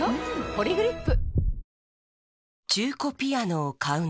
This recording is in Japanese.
「ポリグリップ」